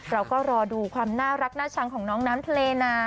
เราก็รอดูความน่ารักน่าชังของน้องน้ำทะเลนา